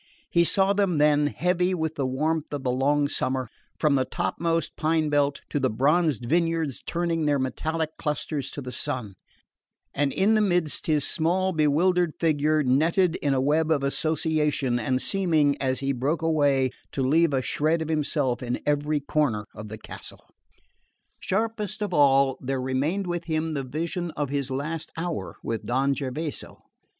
He saw them then, heavy with the warmth of the long summer, from the topmost pine belt to the bronzed vineyards turning their metallic clusters to the sun; and in the midst his small bewildered figure, netted in a web of association, and seeming, as he broke away, to leave a shred of himself in every corner of the castle. Sharpest of all, there remained with him the vision of his last hour with Don Gervaso.